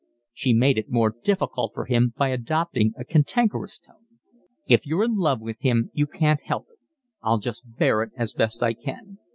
She made it more difficult for him by adopting a cantankerous tone. "If you're in love with him you can't help it. I'll just bear it as best I can.